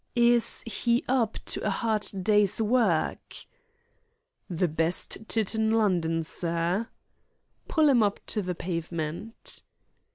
"Is he up to a hard day's work?" "The best tit in London, sir." "Pull him up to the pavement."